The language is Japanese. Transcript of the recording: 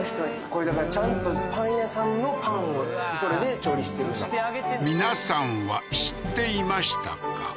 これだからちゃんとパン屋さんのパンをそれで調理してるんだ皆さんは知っていましたか？